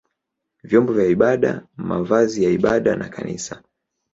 vyombo vya ibada, mavazi ya ibada na kanisa.